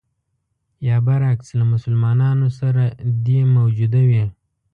یا برعکس له مسلمانانو سره دې موجوده وي.